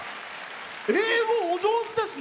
英語お上手ですね。